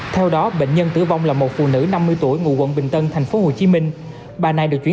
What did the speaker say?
theo đó bệnh nhân tử vong là một phụ nữ năm mươi tuổi ngụ quận bình tân tp hcm bà này được chuyển